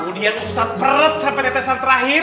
kemudian ustadz perut sampai tetesan terakhir